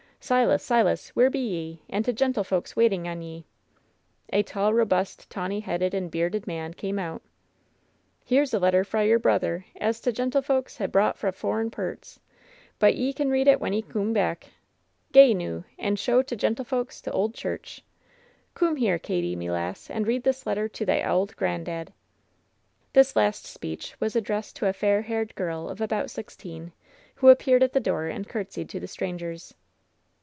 Silas, Silas, where be ye, and t' gentlefolks waiting on ye ?" A tall, robust, tawny headed and bearded man came out. "Here's a letter fra your brawther as f gentlefolks ha^ brought fra furrin pairts. But 'ee can read it when 'eo coom back. Gae, noo, and show t' gentlefolks to Old Church. Coom here, Katie, me lass, and read this letter to thy auld grandad." This last speech was addressed to a fair haired girl of about sixteen, who appeared at the door and courtesied to the strangers.